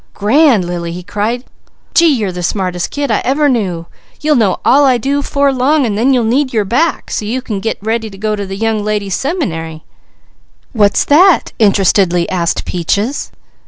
"Grand Lily!" he cried. "Gee, you're the smartest kid I ever knew! You'll know all I do 'fore long, and then you'll need your back, so's you can get ready to go to a Young Ladies' Sem'nary." "What's that?" interestedly asked Peaches.